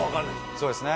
そうですね。